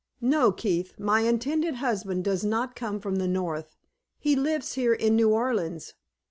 No, Keith, my intended husband does not come from the North; he lives here in New Orleans.